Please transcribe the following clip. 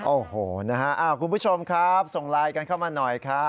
โอ้โหนะฮะคุณผู้ชมครับส่งไลน์กันเข้ามาหน่อยครับ